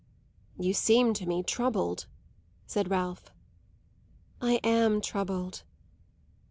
"You seem to me troubled," said Ralph. "I am troubled."